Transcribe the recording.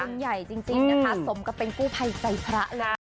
ยิ่งใหญ่จริงนะคะสมกับเป็นกู้ภัยใจพระเลย